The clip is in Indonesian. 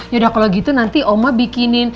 yaudah kalau gitu nanti oma bikinin